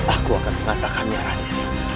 aku akan mengatakan nyaranya